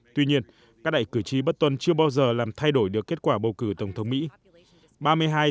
tuy nhiên các đại cử tri bất tuân chưa bao giờ làm thay đổi được kết quả bầu cử tổng thống mỹ